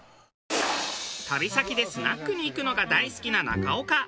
旅先でスナックに行くのが大好きな中岡。